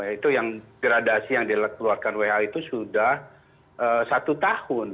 itu yang gradasi yang dikeluarkan who itu sudah satu tahun